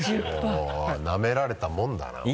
おぉなめられたもんだなおい。